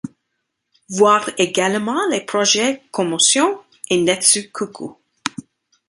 Voir également les projets Commotion et Netsukuku.